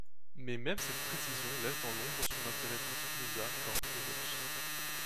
Mais même cette précision laisse dans l'ombre son intérêt pour Spinoza, Kant et Nietzsche.